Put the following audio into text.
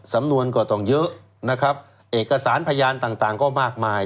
สำนวนก็ต้องเยอะนะครับเอกสารพยานต่างก็มากมาย